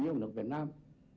nhung lực việt nam